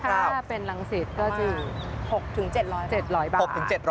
ถ้าเป็นลังศิษฐ์ก็จะอยู่๖๗๐๐บาท